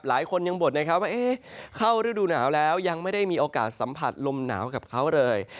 หลายคนยังบ่นนะครับว่าเข้าฤดูหนาวแล้วยังไม่ได้มีโอกาสสัมผัสลมหนาวกับเขาเลย